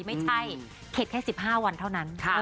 ไม่ใช่เข็ดแค่๑๕วันเท่านั้น